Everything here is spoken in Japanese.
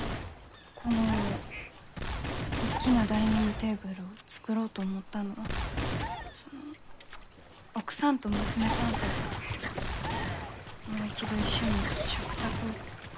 この大きなダイニングテーブルを作ろうと思ったのはその奥さんと娘さんともう一度一緒に食卓を囲ん。